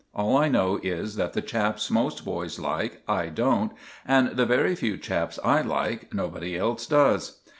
All I know is that the chaps most boys like, I don't, and the very few chaps I like, nobody else does.